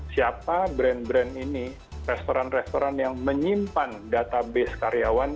siapa brand brand ini restoran restoran yang menyimpan database karyawan